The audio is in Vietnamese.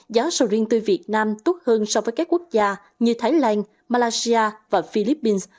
giá sầu riêng tươi việt nam tốt hơn so với các quốc gia như thái lan malaysia và philippines